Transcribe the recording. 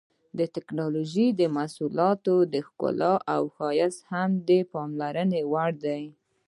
د ټېکنالوجۍ د محصولاتو ښکلا او ښایست هم د پاملرنې وړ دي.